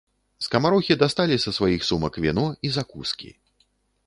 Скамарохі дасталі са сваіх сумак віно і закускі.